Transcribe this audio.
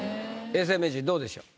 永世名人どうでしょう？